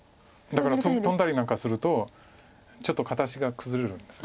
だからトンだりなんかするとちょっと形が崩れるんです。